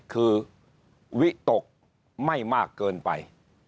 คือวิตกไม่มากเกินไป